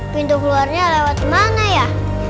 pintu keluarnya lewat mana ya